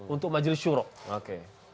untuk majelis syurok